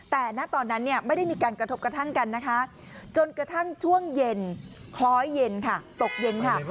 แต่ณตอนนั้นเนี่ยไม่ได้มีการกระทบกระทั่งกันนะคะจนกระทั่งช่วงเย็นคล้อยเย็นค่ะตกเย็นค่ะ